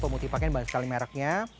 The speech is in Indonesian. pemutih pakaian banyak sekali mereknya